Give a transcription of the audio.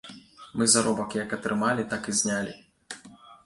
Мы заробак як атрымалі, так і знялі.